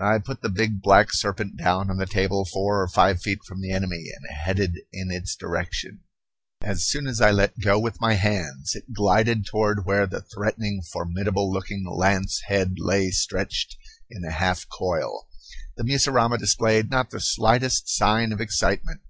I put the big black serpent down on the table four or five feet from the enemy and headed in its direction. As soon as I let go with my hands it glided toward where the threatening, formidable looking lance head lay stretched in a half coil. The mussurama displayed not the slightest sign of excitement.